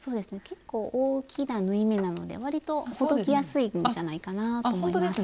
結構大きな縫い目なのでわりとほどきやすいんじゃないかなぁと思います。